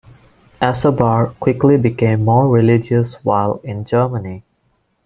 Essabar quickly became more religious while in Germany.